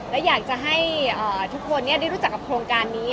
และอยากจะให้ทุกคนได้รู้จักกับโครงการนี้